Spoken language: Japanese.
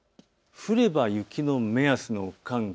降れば雪の目安の寒気。